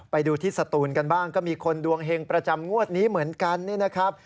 ไปดูที่สตูนกันบ้างก็มีคนดวงเห็งประจำงวดนี้เหมือนกันนี่นะครับ